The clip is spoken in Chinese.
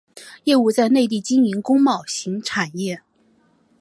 业务在内地经营工贸型产业。